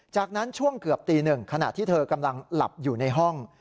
จากนั้นช่วงเกือบตีหนึ่งขณะที่เธอกำลังหลับอยู่ในห้อง